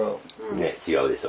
ねっ違うでしょ。